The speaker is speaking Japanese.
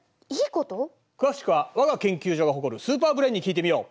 詳しくは我が研究所が誇るスーパーブレーンに聞いてみよう。